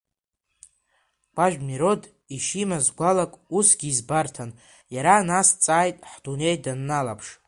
Гәажә Мирод ишимаз гәалак усгьы избарҭан, иара нас дҵааит ҳдунеи данналаԥш…